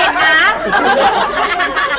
เห็นนะ